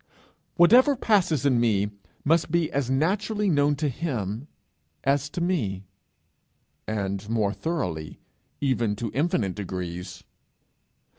Whatever passes in me must be as naturally known to him as to me, and more thoroughly, even to infinite degrees.